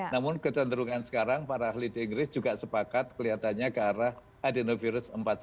namun kecenderungan sekarang para ahli di inggris juga sepakat kelihatannya ke arah adenovirus empat puluh